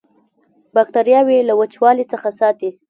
باکتریاوې له وچوالي څخه ساتي.